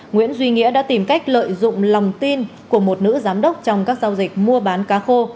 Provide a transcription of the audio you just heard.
nguyễn duy nghĩa đã tìm cách lợi dụng lòng tin của một nữ giám đốc trong các giao dịch mua bán cá khô